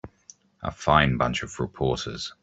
A fine bunch of reporters.